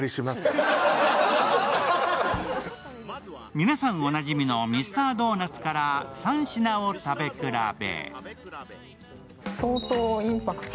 皆さんおなじみのミスタードーナツから３品を食べ比べ。